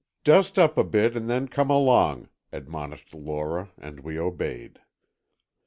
"Dust up a bit and then come along," admonished Lora, and we obeyed.